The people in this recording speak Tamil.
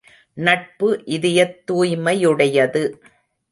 நட்பு இதயத் துய்மையுடையது.